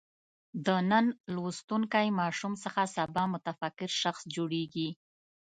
د نن لوستونکی ماشوم څخه سبا متفکر شخص جوړېږي.